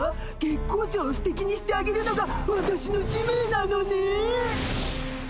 月光町をすてきにしてあげるのがわたしの使命なのね。